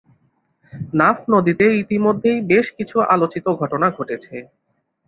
নাফ নদীতে ইতিমধ্যেই বেশ কিছু আলোচিত ঘটনা ঘটেছে।